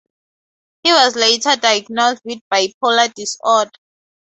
He was later diagnosed with bipolar disorder.